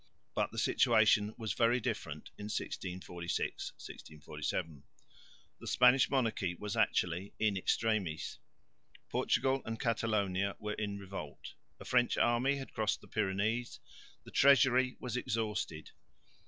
But the situation was very different in 1646 7. The Spanish monarchy was actually in extremis. Portugal and Catalonia were in revolt; a French army had crossed the Pyrenees; the treasury was exhausted.